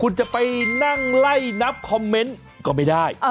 คุณจะไปนั่งไล่นับคอมเมนต์ก็ไม่ได้